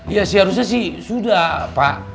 ya seharusnya sih sudah pak